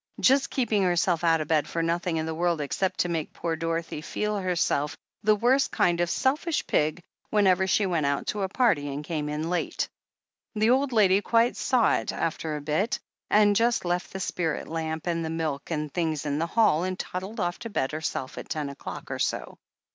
Just keeping herself out of bed for nothing in the world except to make poor Dorothy feel herself the worst kind of selfish pig whenever she went out to a party and came in late. The old lady quite saw it after a bit, and just left the spirit lamp and the milk and things in the hall, and toddled off to bed herself at ten o'clock or so."